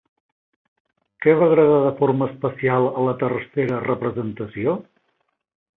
Què va agradar de forma especial a la tercera representació?